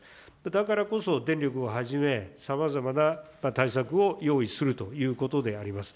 だからこそ電力をはじめ、さまざまな対策を用意するということであります。